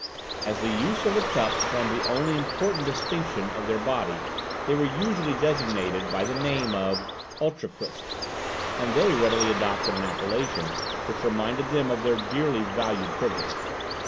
As the use of the cup formed the only important distinction of their body, they were usually designated by the name of Utraquists; and they readily adopted an appellation which reminded them of their dearly valued privilege.